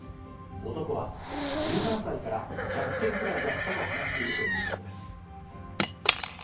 男は１７歳から１００件くらいやったと話しているということです。